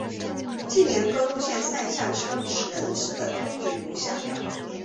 近年各路线上下车人次的推移如下表。